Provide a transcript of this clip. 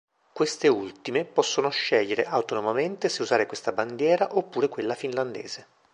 Queste ultime possono scegliere autonomamente se usare questa bandiera oppure quella finlandese.